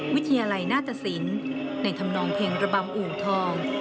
วิทยาลัยนาฏศิลป์ในธำนองเพลงระบำอู่ทอง